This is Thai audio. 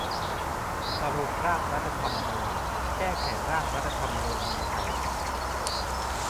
สรุปร่างรัฐธรรมนูญ : แก้ไขร่างรัฐธรรมนูญมีชัย